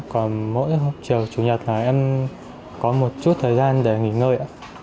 còn mỗi trường chủ nhật là em có một chút thời gian để nghỉ ngơi